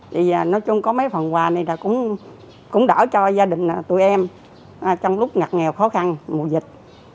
thì nói chung có mấy phần quà này là cũng đỡ cho gia đình tụi em trong lúc ngặt nghèo khó khăn mùa dịch